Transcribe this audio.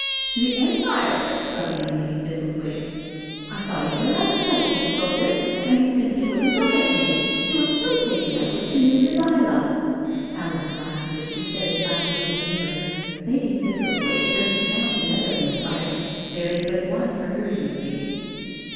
"The Empire?" struck in Lady Thistlethwaite, "I saw you there last night, Mr. Boulder, and you simply wouldn't look at me. You were so taken up with the new Delilah. ..." Alice laughed, as she said aside to her neighbour: " Lady Thistlethwaite doesn't count the other Empire, there is but one for her, you see."